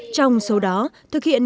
trong số đó thực hiện nghiên cứu khoa học